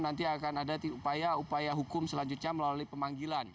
nanti akan ada upaya upaya hukum selanjutnya melalui pemanggilan